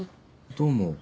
どうも。